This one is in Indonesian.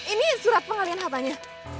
ini surat pengalihan hartanya